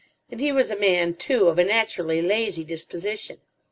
And he was a man, too, of a naturally lazy disposition.